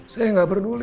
saya tidak peduli